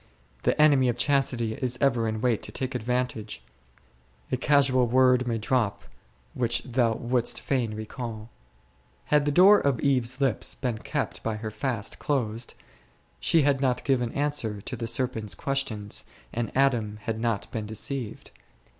The enemy of chastity is ever in wait to take advan O O — ©rt i^olg Utrgtmtg, 37 tage; a casual word may drop which thou wouldst fain recal. Had the door of Eve's lips been kept by her fast closed, she had not given answer to the serpent's questions and Adam had not been deceived.